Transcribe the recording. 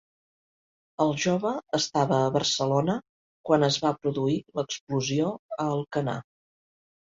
El jove estava a Barcelona quan es va produir l'explosió a Alcanar.